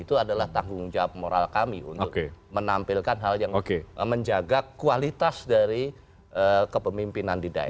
itu adalah tanggung jawab moral kami untuk menampilkan hal yang menjaga kualitas dari kepemimpinan di daerah